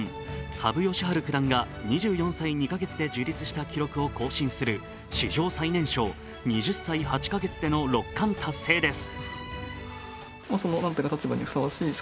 羽生善治九段が２４歳２か月で樹立した記録を更新する史上最年少２０歳８か月での六冠達成です。